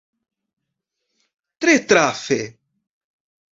Tre trafe!